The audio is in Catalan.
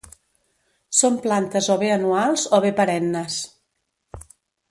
Són plantes o bé anuals o bé perennes.